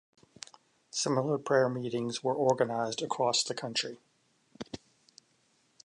Similar prayer meetings were organized across the country.